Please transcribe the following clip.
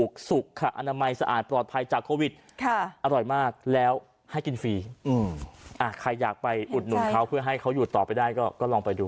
ใครอยากไปอุดหนุนเขาเพื่อให้เขาอยู่ต่อไปได้ก็ลองไปดู